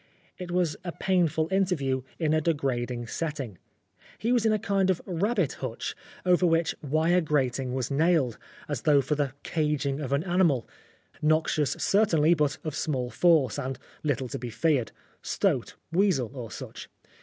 It was a painful interview in a degrading setting. He was in a kind of rabbit hutch, over which 212 Oscar Wilde wire grating was nailed, as though for the caging of an animal noxious certainly, but of small force, and little to be feared stoat, weasel, or such.